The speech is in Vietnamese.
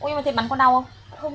ủa nhưng mà thế bắn có đau không